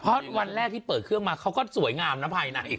เพราะวันแรกที่เปิดเครื่องมาเขาก็สวยงามนะภัยหนักอีก